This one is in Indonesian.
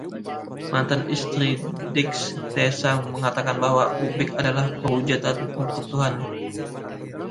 Mantan istri Dick, Tessa, mengatakan bahwa Ubik adalah perwujudan untuk Tuhan.